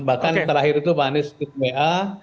bahkan terakhir itu pak anies wa